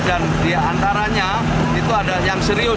dan di antaranya itu ada yang serius